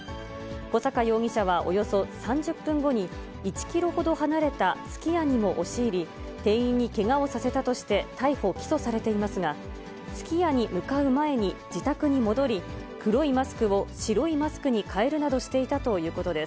小阪容疑者はおよそ３０分後に、１キロほど離れたすき家にも押し入り、店員にけがをさせたとして逮捕・起訴されていますが、すき家に向かう前に自宅に戻り、黒いマスクを白いマスクに替えるなどしていたということです。